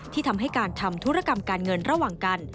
ทำให้การทำธุรกรรมการเงินระหว่างกัน